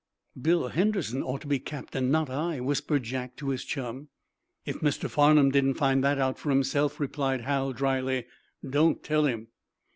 "Bill Henderson ought to be captain, not I," whispered Jack to his chum. "If Mr. Farnum didn't find that out for himself," replied Hal, dryly, "don't tell him."